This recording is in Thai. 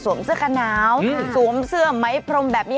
เสื้อกันหนาวสวมเสื้อไหมพรมแบบนี้